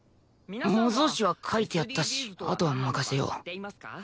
模造紙は書いてやったしあとは任せよう